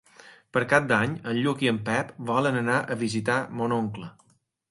Per Cap d'Any en Lluc i en Pep volen anar a visitar mon oncle.